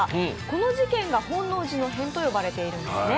この事件が本能寺の変と呼ばれているんですね。